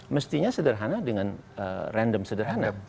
mestinya sederhana dengan random sederhana